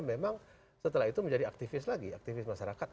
memang setelah itu menjadi aktivis lagi aktivis masyarakat